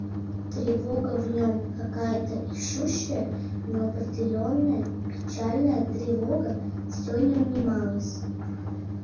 Тревога в нем, какая-то ищущая, неопределенная, печальная тревога, все не унималась.